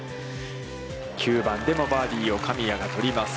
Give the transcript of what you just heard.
９番でもバーディーを神谷が取ります。